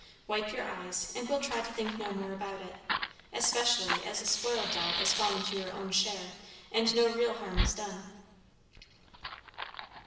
Wipe your eyes, and we'll try to think no more about it, especially as the spoiled doll has fallen to your own share, and no real harm is done."